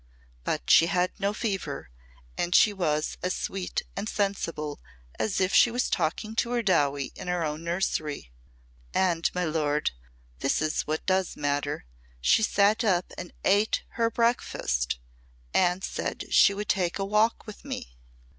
But she had no fever and she was as sweet and sensible as if she was talking to her Dowie in her own nursery. And, my lord, this is what does matter. She sat up and ate her breakfast and said she would take a walk with me.